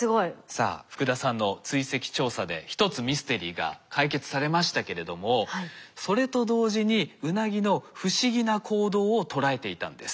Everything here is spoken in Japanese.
さあ福田さんの追跡調査で１つミステリーが解決されましたけれどもそれと同時にウナギの不思議な行動を捉えていたんです。